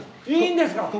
いいんですか？